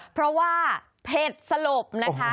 เพราะว่าเผ็ดสลบนะคะ